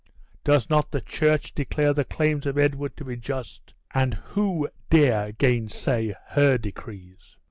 Does not the church declare the claims of Edward to be just! and who dare gainsay her decrees?"